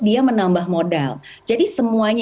dia menambah modal jadi semuanya